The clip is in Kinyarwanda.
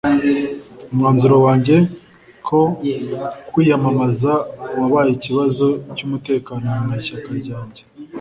umwanzuro wanjye ko kwiyamamaza wabaye ikibazo cy’umutekano mu ishyaka ryanjye